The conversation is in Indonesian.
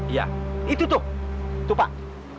iya itu tuh pak